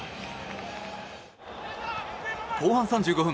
後半３５分。